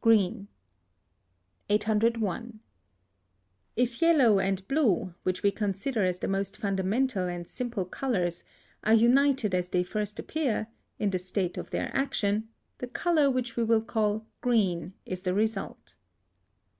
GREEN. 801. If yellow and blue, which we consider as the most fundamental and simple colours, are united as they first appear, in the first state of their action, the colour which we call green is the result.